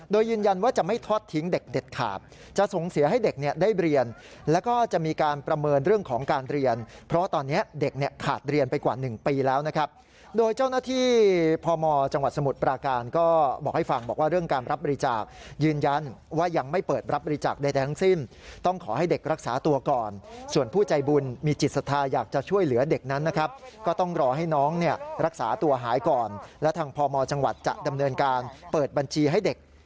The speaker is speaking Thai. โดยยืนยันว่าจะไม่ทอดทิ้งเด็กเด็ดขาบจะสงเสียให้เด็กเนี่ยได้เรียนแล้วก็จะมีการประเมินเรื่องของการเรียนเพราะตอนนี้เด็กเนี่ยขาดเรียนไปกว่าหนึ่งปีแล้วนะครับโดยเจ้าหน้าที่พมจังหวัดสมุทรปราการก็บอกให้ฟังบอกว่าเรื่องการรับบริจาคยืนยันว่ายังไม่เปิดรับบริจาคใดแต่ทั้งสิ้นต้องขอให